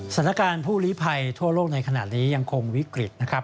สถานการณ์ผู้ลิภัยทั่วโลกในขณะนี้ยังคงวิกฤตนะครับ